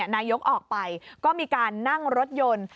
นายกออกไปก็มีการนั่งรถยนต์